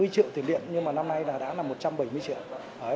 một trăm hai mươi triệu tiền điện nhưng mà năm nay đã là một trăm bảy mươi triệu